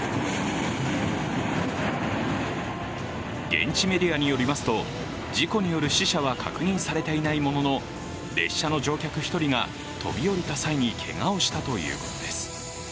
現地メディアによりますと事故による死者は確認されていないものの、列車の乗客１人が飛び降りた際にけがをしたということです。